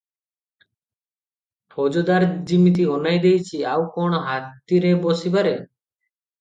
ଫୌଜଦାର ଯିମିତି ଅନାଇ ଦେଇଛି, ଆଉ କଣ ହାତୀରେ ବସିପାରେ!